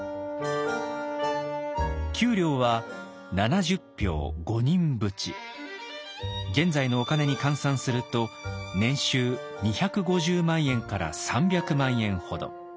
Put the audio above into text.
給料は現在のお金に換算すると年収２５０万円から３００万円ほど。